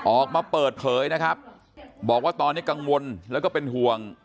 ออกมาเปิดเผยนะครับบอกว่าตอนนี้กังวลแล้วก็เป็นห่วง